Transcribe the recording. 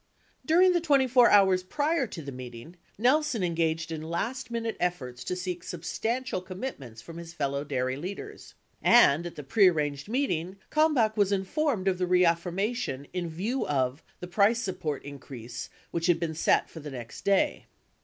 During the 24 hours prior to the meeting, Nelson engaged in last minute efforts to seek sub stantial commitments from his fellow dairy leaders, and, at the pre arranged meeting, Kalmbach was informed of the reaffirmation "in view of" the price support increase which had been set for the next day.